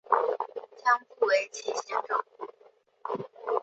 将不讳其嫌者乎？